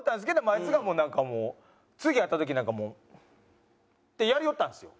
あいつがなんかもう次会った時なんかもう。ってやりよったんですよ。